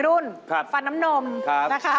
กลุ่มวัยรุ่นฟันน้ำนมนะคะ